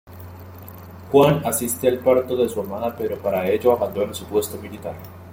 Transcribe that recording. Juan asiste al parto de su amada pero para ello abandona su puesto militar.